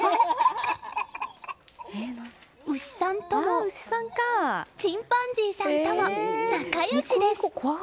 牛さんともチンパンジーさんとも仲良しです！